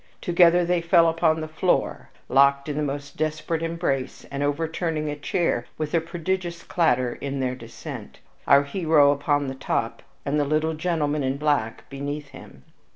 Together they fell upon the floor, locked in the most desperate embrace, and overturning a chair with a prodigious clatter in their descent our hero upon the top and the little gentleman in black beneath him.